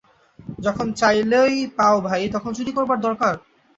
যখন চাইলেই পাও ভাই, তখন চুরি করবার দরকার!